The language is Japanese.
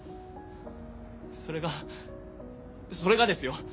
それがそれがですよ